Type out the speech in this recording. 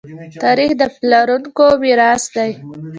تاریخ د پلارونکو میراث دی.